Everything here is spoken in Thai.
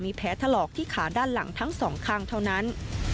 แผลถลอกที่ขาด้านหลังทั้งสองข้างเท่านั้น